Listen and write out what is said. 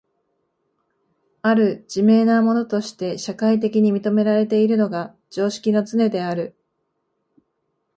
或る自明なものとして社会的に認められているのが常識のつねである。